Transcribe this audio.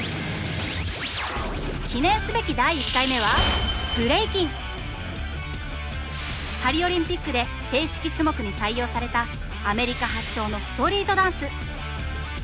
記念すべき第１回目はパリオリンピックで正式種目に採用されたアメリカ発祥のストリートダンス。